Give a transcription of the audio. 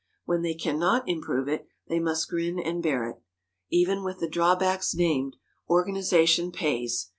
When they can not improve it, they must grin and bear it. Even with the drawbacks named, organization pays.